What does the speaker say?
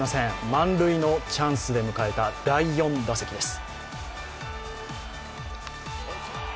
満塁のチャンスで迎えた第４打席です。